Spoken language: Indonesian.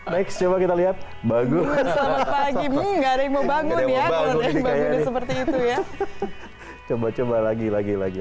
next kita lihat bagus lagi nggak ada yang mau bangun ya seperti itu ya coba coba lagi lagi lagi